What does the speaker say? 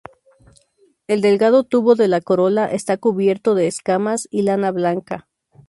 El delgado tubo de la corola está cubierto de escamas, y lana blanca.